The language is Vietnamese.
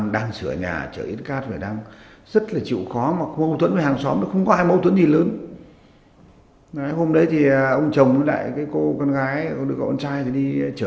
tất cả những suy luận dù rất mong manh